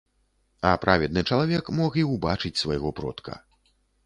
А праведны чалавек мог і ўбачыць свайго продка.